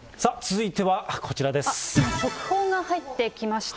速報が入ってきました。